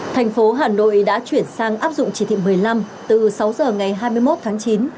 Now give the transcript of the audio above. thành phố hà nội đã chuyển sang áp dụng chỉ thị một mươi năm từ sáu giờ ngày hai mươi một tháng chín